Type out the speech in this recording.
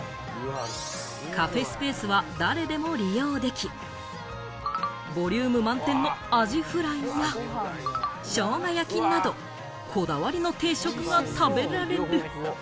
カフェスペースは誰でも利用でき、ボリューム満点のアジフライや、生姜焼きなど、こだわりの定食が食べられる。